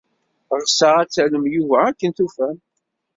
Ɣseɣ ad tallem Yuba akken tufam.